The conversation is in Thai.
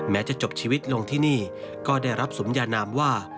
จะจบชีวิตลงที่นี่ก็ได้รับสุมยานามว่า